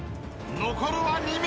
［残るは２名！］